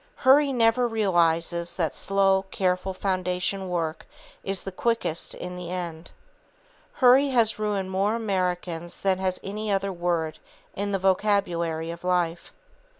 Hurry never realizes that slow, careful foundation work is the quickest in the end. Hurry has ruined more Americans than has any other word in the vocabulary of life.